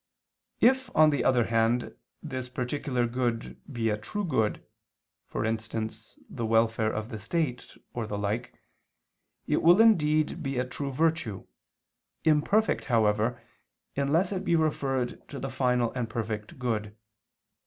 If, on the other hand, this particular good be a true good, for instance the welfare of the state, or the like, it will indeed be a true virtue, imperfect, however, unless it be referred to the final and perfect good.